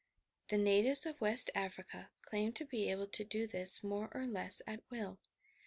The natives of West Africa claim to be able to do this more or lesa at will.